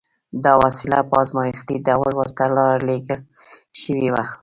دا وسيله په ازمايښتي ډول ورته را لېږل شوې وه.